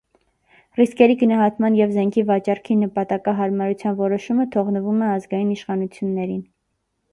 Ռիսկերի գնահատման և զենքի վաճառքի նպատակահարմարության որոշումը թողնվում է ազգային իշխանություններին։